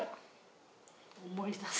思い出す。